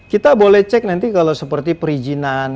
kita boleh cek nanti kalau seperti perizinan